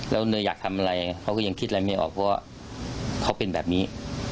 แล้วเนยอยากทำอะไรเขาก็ยังคิดอะไรไม่ออกเพราะว่าเขาเป็นแบบนี้